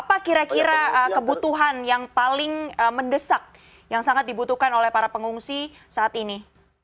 apa kira kira kebutuhan yang paling mendesak yang sangat dibutuhkan oleh para pengungsi saat ini